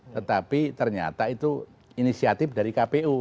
tetapi ternyata itu inisiatif dari kpu